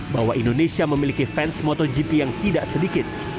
bahwa indonesia memiliki fans motogp yang tidak sedikit